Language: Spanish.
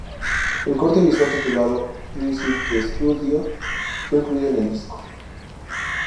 El corte visual titulado "Inside the Studio" fue incluido en el disco.